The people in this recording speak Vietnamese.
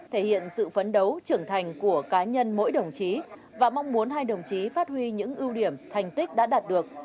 thể hiện sự phấn đấu trưởng thành của cá nhân mỗi đồng chí và mong muốn hai đồng chí phát huy những ưu điểm thành tích đã đạt được